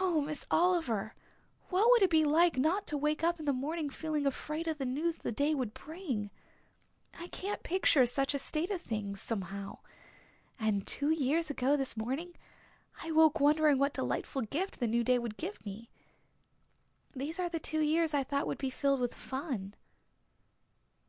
Oh, Miss Oliver, what would it be like not to wake up in the morning feeling afraid of the news the day would bring? I can't picture such a state of things somehow. And two years ago this morning I woke wondering what delightful gift the new day would give me. These are the two years I thought would be filled with fun."